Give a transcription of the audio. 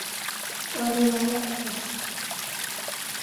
Орина лектеш.